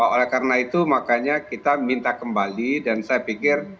oleh karena itu makanya kita minta kembali dan saya pikir